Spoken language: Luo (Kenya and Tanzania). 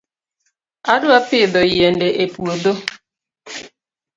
Adwa pidho yiende e puodho